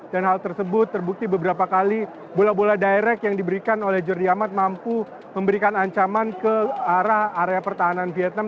dan hal tersebut terbukti beberapa kali bola bola direct yang diberikan oleh jordi amat mampu memberikan ancaman ke arah area pertahanan vietnam